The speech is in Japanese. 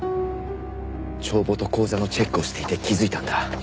帳簿と口座のチェックをしていて気づいたんだ。